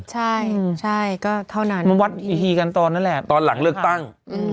ใช่คือเท่านั้นแหละจริงค่ะเอาลงเลือกตั้ง